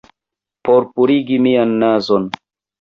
Por purigi mian nazon.